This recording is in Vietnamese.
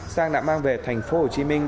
sang đã mang về thành phố hồ chí minh